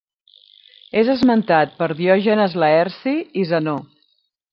És esmentat per Diògenes Laerci i Zenó.